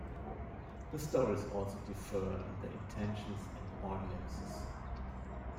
The stories also differ in their intentions and audiences.